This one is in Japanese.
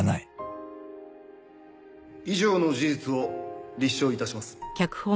以上の事実を立証致します。